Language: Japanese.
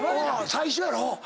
最初やろ？